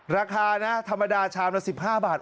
ราคานะธรรมดาชามละ๑๕บาท